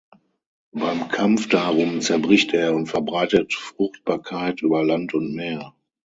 Beim Kampf darum zerbricht er und verbreitet Fruchtbarkeit über Land und Meer.